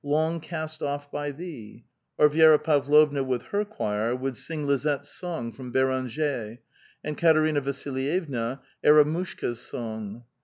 I^ng cast off by Thee"; or Vi^ra Pavlovna with her choir would sing Lizette's Song from B6ranger ; and Katerina Vasilyevna, " Eramushkds' Song."